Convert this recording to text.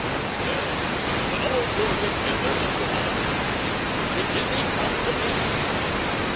"Yes; but all four together and without a scratch; which is a consolation."